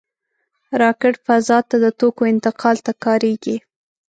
راکټ فضا ته د توکو انتقال ته کارېږي